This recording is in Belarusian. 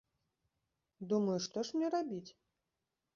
Думаю, што ж мне рабіць?